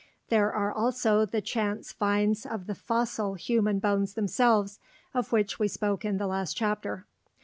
There are also the chance finds of the fossil human bones themselves, of which we spoke in the last chapter.